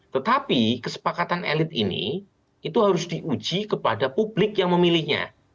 tetapi kesepakatan elit ini itu harus diuji kepada publik yang memilihnya